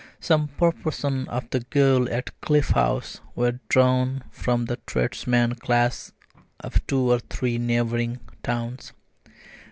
Some proportion of the girls at Cliff House were drawn from the tradesman class of two or three neighbouring towns.